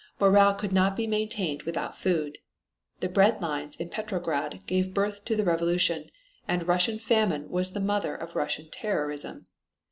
Morale could not be maintained without food. The bread lines in Petrograd gave birth to the revolution, and Russian famine was the mother of Russian terrorism.